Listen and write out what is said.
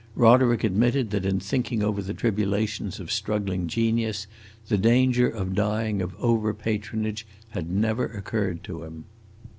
Roderick admitted that in thinking over the tribulations of struggling genius, the danger of dying of over patronage had never occurred to him.